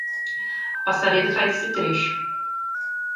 A Passaredo faz esse trecho.